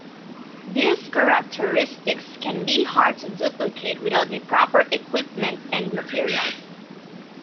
These characteristics can be hard to duplicate without the proper equipment and materials.